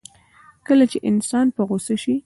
کله چې انسان په غوسه شي.